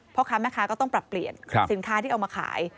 พ่อค้าแม่ค้าก็ต้องปรับเปลี่ยนสินค้าที่เอามาขาย